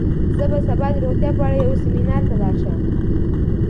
زه به سبا د روغتیا په اړه یو سیمینار ته لاړ شم.